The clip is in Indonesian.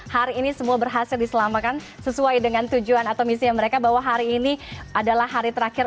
hari ini semua berhasil diselamatkan sesuai dengan tujuan atau misi mereka bahwa hari ini adalah hari terakhir